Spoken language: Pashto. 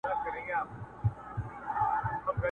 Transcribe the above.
نن به توره د خوشحال راوړي رنګونه!